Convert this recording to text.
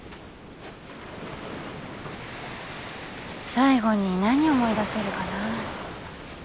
最後に何を思い出せるかなぁ。